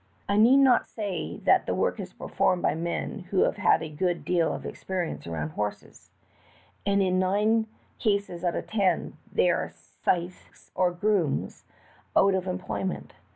I need not say that the work is performed b3^ men who have had a good deal of experience around horses, and in nine cases out of ten thev are syces or grooms out of employment.